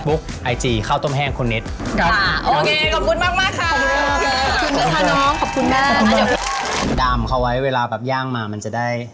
ขอบคุณมากค่ะจะปลอดภัยนะครับเดี๋ยวดามเขาไว้เวลาแบบย่างมามันจะได้